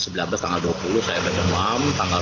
pada saat itu saya sudah demam tanggal dua puluh